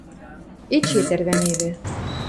Эче тӓрвӓневӹ.